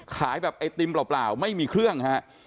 ขายแบบไอติมเปล่าไม่มีเครื่องฮะ